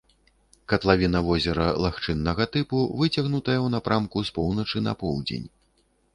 Катлавіна возера лагчыннага тыпу, выцягнутая ў напрамку з поўначы на поўдзень.